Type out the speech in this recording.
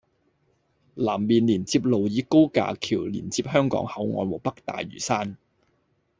南面連接路以高架橋連接香港口岸和北大嶼山